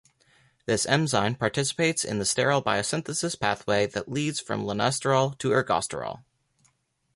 This enzyme participates in the sterol biosynthesis pathway that leads from lanosterol to ergosterol.